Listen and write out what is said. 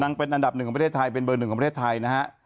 นั่งเป็นอันดับ๑ของประเทศไทยเป็นเบอร์๑ของประเทศไทยนะครับ